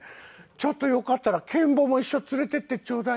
ちょっとよかったらけん坊も一緒連れて行ってちょうだい。